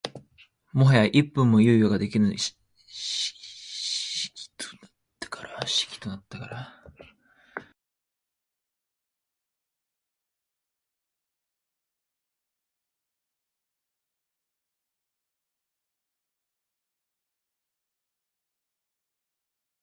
最早一分も猶予が出来ぬ仕儀となったから、やむをえず失敬して両足を前へ存分のして、首を低く押し出してあーあと大なる欠伸をした